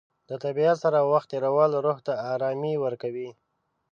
د طبیعت سره وخت تېرول روح ته ارامي ورکوي.